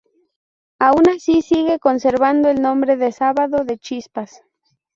Aun así, se sigue conservando el nombre de Sábado de Chispas.